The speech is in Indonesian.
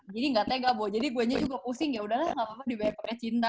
jadi gak tega bo jadi gue nya juga pusing ya udahlah gak apa apa dibayar pakai cinta